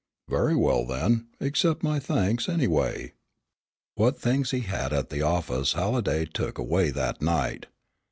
"Very well, then accept my thanks, anyway." What things he had at the office Halliday took away that night.